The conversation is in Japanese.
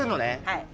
はい。